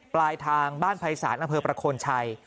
ปลายทางบ้านไพรศาสตร์อำเภอประคนชัย